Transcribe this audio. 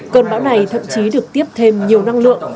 cơn bão này thậm chí được tiếp thêm nhiều năng lượng